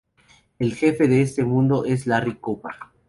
El jefe de este mundo es Larry Koopa.